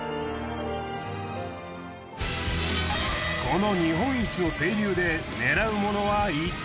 この日本一の清流で狙うものはいったい？